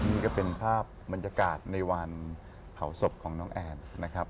นี่ก็เป็นภาพบรรยากาศในวันเผาศพของน้องแอนนะครับ